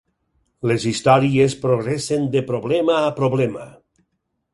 Les històries progressen de problema a problema.